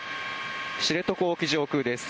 知床沖上空です。